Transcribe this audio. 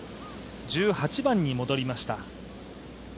１８番に戻りました。